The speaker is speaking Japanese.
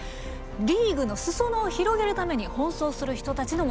リーグの裾野を広げるために奔走する人たちの物語です。